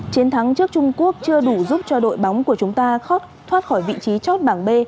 chiến thắng trước trung quốc chưa đủ giúp cho đội bóng của chúng ta khót thoát khỏi vị trí chót bảng b